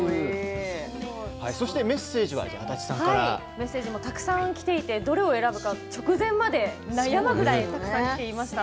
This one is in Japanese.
メッセージもたくさんきていてどれを選ぶか直前まで悩むぐらいたくさんきていました。